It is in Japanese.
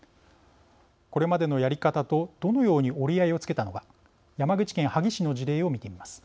これまでのやり方とどのように折り合いをつけたのか山口県萩市の事例を見てみます。